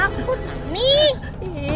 tuh aku takut mami